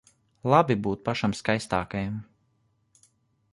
Labi būt pašam skaistākajam.